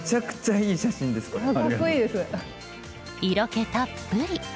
色気たっぷり！